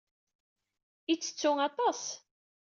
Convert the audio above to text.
Ittettu aṭas.